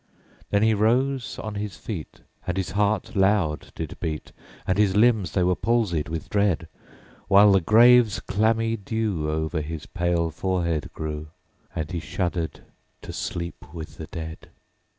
10. Then he rose on his feet, And his heart loud did beat, And his limbs they were palsied with dread; _55 Whilst the grave's clammy dew O'er his pale forehead grew; And he shuddered to sleep with the dead.